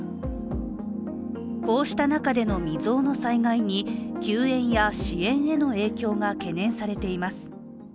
こうした中での未曽有の災害に救援や支援への影響が懸念されています。